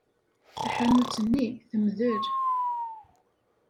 Taḥanut-nni temdel.